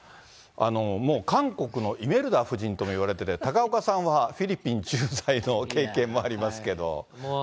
もう韓国のイメルダ婦人とも言われてて、高岡さんはフィリピン駐在の経験もありますけど。